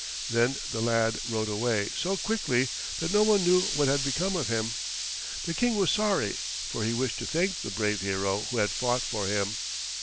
Then the lad rode away so quickly that no one knew what had become of him. The King was sorry, for he wished to thank the brave hero who had fought for him.